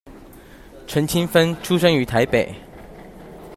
陳清汾出生於台北